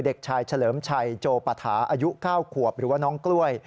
เด็กชายเฉลิมชัยโจปฐาอายุ๙ขวบหรือว่าน้องกล้วย